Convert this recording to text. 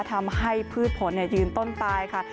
ทำให้พืชผลยืนต้นตายค่ะ